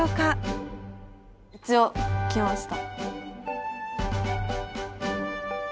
一応できました。